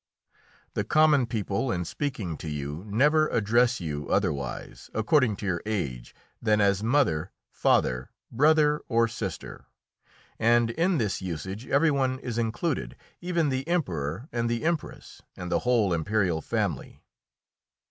The common people, in speaking to you, never address you otherwise, according to your age, than as mother, father, brother or sister, and in this usage every one is included, even the Emperor and the Empress and the whole imperial family.